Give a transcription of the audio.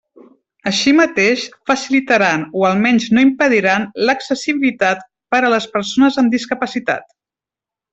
Així mateix, facilitaran, o almenys no impediran, l'accessibilitat per a les persones amb discapacitat.